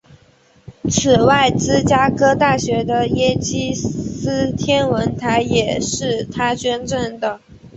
此外芝加哥大学的耶基斯天文台也是他捐建的。